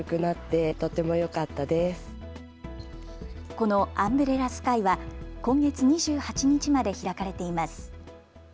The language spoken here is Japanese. このアンブレラスカイは今月２８日まで開かれています。